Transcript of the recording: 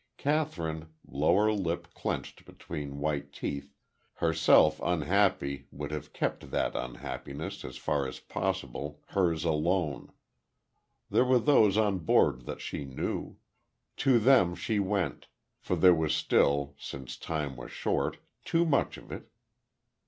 Kathryn, lower lip clenched between white teeth, herself unhappy would have kept that unhappiness as far as possible hers alone. There were those on board that she knew. To them she went; for there was still, since time was short, too much of it.